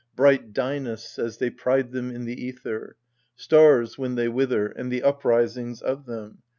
Bright dynasts, as they pride them in the aether — Stars, when they wither, and the uprisings of them.